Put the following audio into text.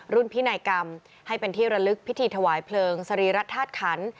พินัยกรรมให้เป็นที่ระลึกพิธีถวายเพลิงสรีรัฐธาตุขัน